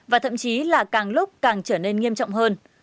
và thậm chí là càng lúc càng trở nên nghiêm trọng hơn